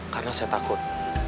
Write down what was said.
karena saya takut